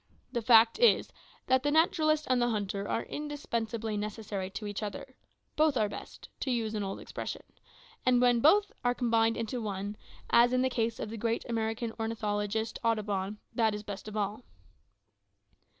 The fact is, that the naturalist and the hunter are indispensably necessary to each other `both are best,' to use an old expression; and when both are combined in one, as in the case of the great American ornithologist Audubon, that is best of all."